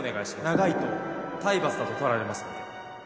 長いと体罰だと取られますので。